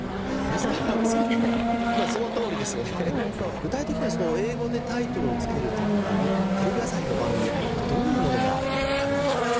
具体的には英語でタイトルをつける時にテレビ朝日の番組どういうものがあるんでしょうか？